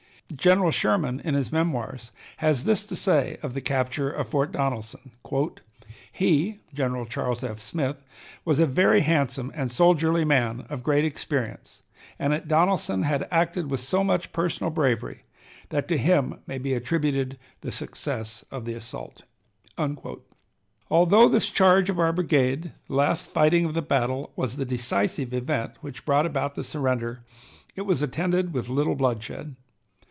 General Sherman, in his "Memoirs," has this to say of the capture of Fort Donelson: "He [General Charles F. Smith] was a very handsome and soldierly man, of great experience, and at Donelson had acted with so much personal bravery that to him may be attributed the success of the assault." Although this charge of our brigade, the last fighting of the battle, was the decisive event which brought about the surrender, it was attended with little bloodshed.